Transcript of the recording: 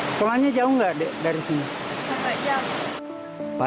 sekolahnya jauh nggak dari sini